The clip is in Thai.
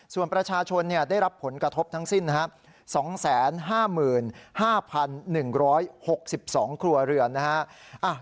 ส่วนประชาชนได้รับผลกระทบทั้งสิ้นนะครับ๒๕๕๑๖๒ครัวเรือนนะฮะ